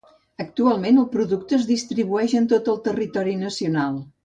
Actualment el producte es distribueix en tot el territori nacional.